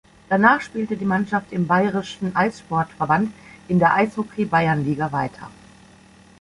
Danach spielte die Mannschaft im Bayerischen Eissportverband in der Eishockey-Bayernliga weiter.